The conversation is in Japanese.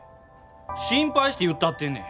心配して言ったってんねん！